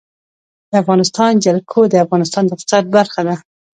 د افغانستان جلکو د افغانستان د اقتصاد برخه ده.